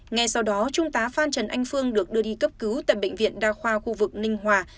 ngay sau đó trung tá phan trần anh phương được đưa đi cấp cứu tại bệnh viện đa khoa khu vực ninh hòa